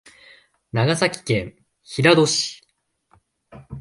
長崎県平戸市